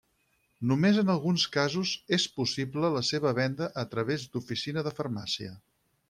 Només en alguns casos és possible la seva venda a través d'oficina de farmàcia.